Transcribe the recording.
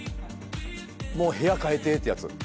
もう部屋変えてってやつ。